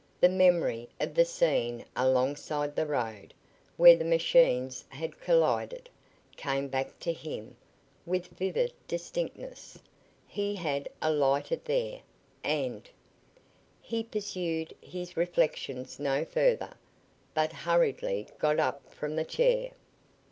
The memory of the scene alongside the road, where the machines had collided, came back to him with vivid distinctness. He had alighted there, and He pursued his reflections no further, but hurriedly got up from the chair.